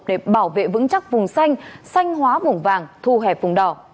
để bảo vệ vững chắc vùng xanh xanh hóa vùng vàng thu hẹp vùng đỏ